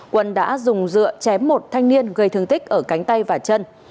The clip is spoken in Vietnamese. quân đã dùng dựa chém một thanh niên gây thương tích ở cánh tay và chân